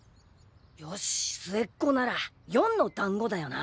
よし末っ子なら「四」のだんごだよな。